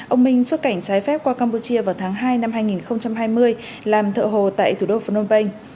ông minh xuất cảnh trái phép qua campuchia vào tháng hai năm hai nghìn hai mươi làm thợ hồ tại thủ đô phnom penh